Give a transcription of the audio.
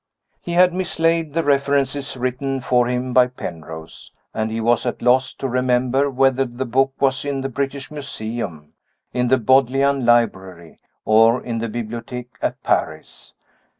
He had mislaid the references written for him by Penrose, and he was at a loss to remember whether the book was in the British Museum, in the Bodleian Library, or in the Bibliotheque at Paris.